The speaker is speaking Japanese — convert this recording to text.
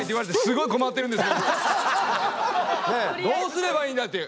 どうすればいいんだって。